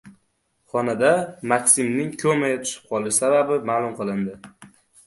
Xonanda MakSimning komaga tushib qolishi sababi ma’lum qilindi